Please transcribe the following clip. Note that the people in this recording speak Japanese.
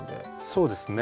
そうですね。